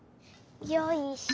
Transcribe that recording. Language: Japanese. よいしょ。